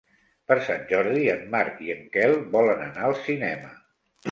Per Sant Jordi en Marc i en Quel volen anar al cinema.